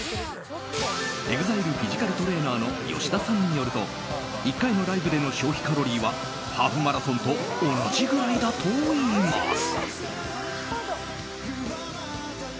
ＥＸＩＬＥフィジカルトレーナーの吉田さんによると１回のライブでの消費カロリーはハーフマラソンと同じぐらいだといいます。